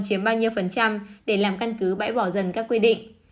chiếm bao nhiêu phần trăm để làm căn cứ bãi bỏ dần các quy định